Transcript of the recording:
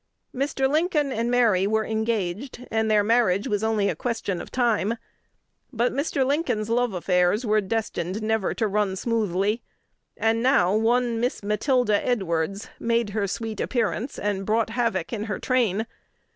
Mr. Lincoln and Mary were engaged, and their marriage was only a question of time. But Mr. Lincoln's love affairs were destined never to run smoothly, and now one Miss Matilda Edwards made her "sweet appearance," and brought havoc in her train.